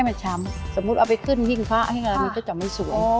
สัมมุติเอาไปขึ้นพิงฟ้ามันก็จะไม่สวย